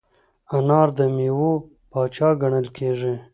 انار د میوو پاچا ګڼل کېږي.